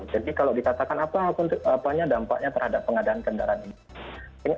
jadi kalau dikatakan apanya dampaknya terhadap pengadaan kendaraan ini